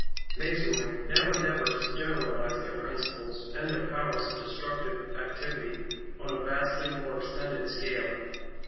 Masonry now endeavours to generalise their principles and their powers of destructive activity on a vastly more extended scale.